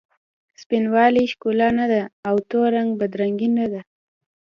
سپین والې ښکلا نه ده او تور رنګ بد رنګي نه ده.